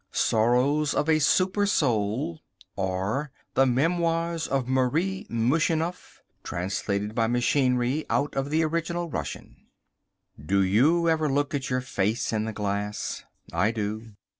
VI. Sorrows of a Super Soul: or, The Memoirs of Marie Mushenough (Translated, by Machinery, out of the Original Russian.) Do you ever look at your face in the glass? I do.